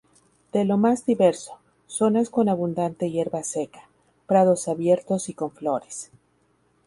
De lo más diverso, zonas con abundante hierba seca, prados abiertos y con flores.